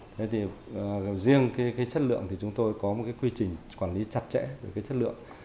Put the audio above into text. thế thì riêng cái chất lượng thì chúng tôi có một cái quy trình quản lý chặt chẽ về cái chất lượng